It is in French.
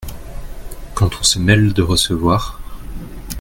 Quand on se mêle de recevoir !